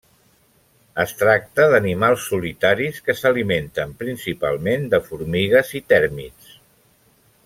Es tracta d'animals solitaris que s'alimenten principalment de formigues i tèrmits.